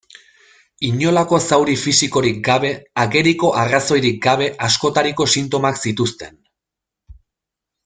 Inolako zauri fisikorik gabe, ageriko arrazoirik gabe, askotariko sintomak zituzten.